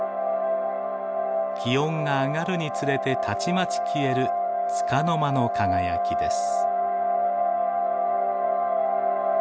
気温が上がるにつれてたちまち消えるつかの間の輝きです。